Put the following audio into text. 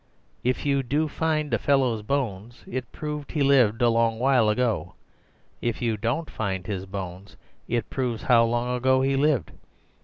If you do find a fellow's bones, it proves he lived a long while ago; if you don't find his bones, it proves how long ago he lived.